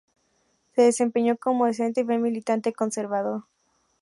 Se desempeñó como docente y fue militante conservador.